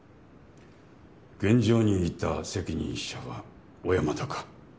現場にいた責任者は小山田か。